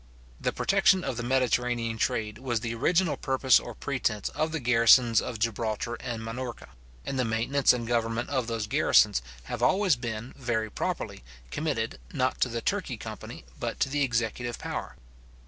The protection of the Mediterranean trade was the original purpose or pretence of the garrisons of Gibraltar and Minorca; and the maintenance and government of those garrisons have always been, very properly, committed, not to the Turkey company, but to the executive power.